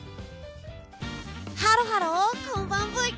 ハロハロこんばんブイ！